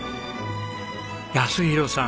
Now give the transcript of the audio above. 泰弘さん